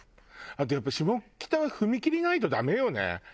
あとやっぱり下北は踏切ないとダメよね。